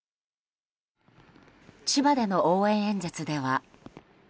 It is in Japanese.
千葉での応援演説では。